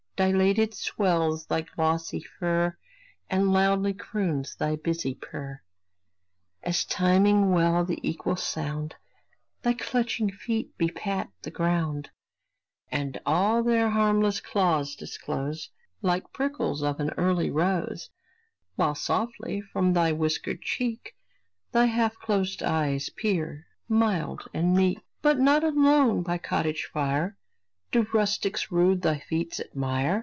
Dilated swells thy glossy fur, And loudly croons thy busy purr, As, timing well the equal sound, Thy clutching feet bepat the ground, And all their harmless claws disclose Like prickles of an early rose, While softly from thy whiskered cheek Thy half closed eyes peer, mild and meek. But not alone by cottage fire Do rustics rude thy feats admire.